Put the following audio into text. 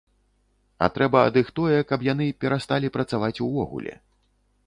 А трэба ад іх тое, каб яны перасталі працаваць увогуле.